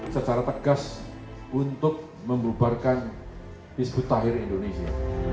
secara tegas untuk membuarkan bisbut akhir indonesia